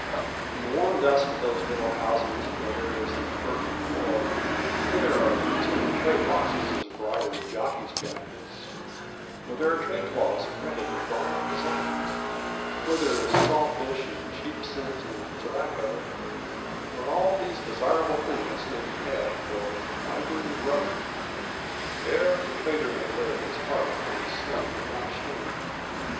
In the warm dusk of those little houses, where there is an earthen floor, where there are tin trade boxes as bright as jockeys' jackets, where there are trade cloths printed with violent designs, where there is salt fish and cheap scent and tobacco, where all these desirable things may be had for ivory and rubber, there the trader may wear his heart upon his sleeve without shame.